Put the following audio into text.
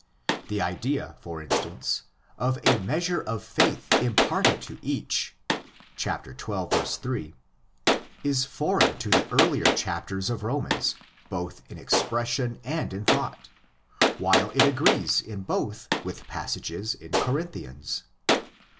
The idea, for instance, of a measure of faith imparted to each (xil. 8) is foreign to the earlier chapters of Romans both in expression and in thought, while it agrees in both with passages in Corinthians.